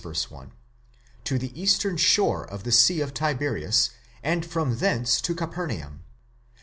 1) to the eastern shore of the sea of Tiberias, and from thence to Capernaum (v.